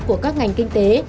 của các ngành kinh tế